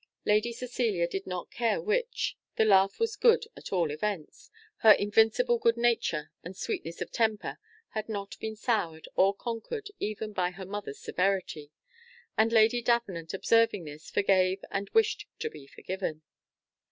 Lady Cecilia did not care which, the laugh was good at all events; her invincible good nature and sweetness of temper had not been soured or conquered even by her mother's severity; and Lady Davenant, observing this, forgave and wished to be forgiven.